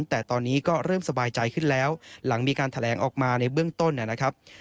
แต่ตอนนี้ก็เริ่มสบายใจขึ้นแล้วหลังมีการแถลงออกมาในเบื้องต้นนะครับ